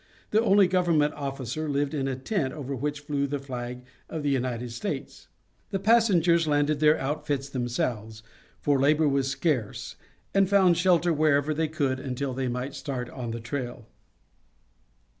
The only government officer lived in a tent over which flew the flag of the United States. The passengers landed their outfits themselves, for labor was scarce, and found shelter wherever they could until they might start on the trail.